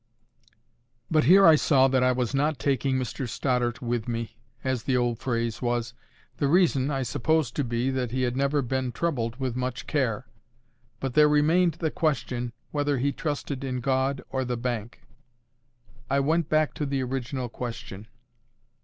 But here I saw that I was not taking Mr Stoddart with me (as the old phrase was). The reason I supposed to be, that he had never been troubled with much care. But there remained the question, whether he trusted in God or the Bank? I went back to the original question.